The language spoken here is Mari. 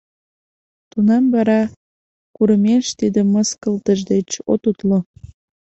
Тунам вара курымеш тиде мыскылтыш деч от утло.